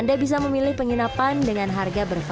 anda bisa memilih penginapan dengan harga berbeda